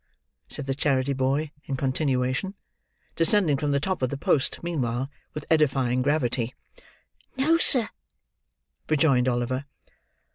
said the charity boy, in continuation: descending from the top of the post, meanwhile, with edifying gravity. "No, sir," rejoined Oliver.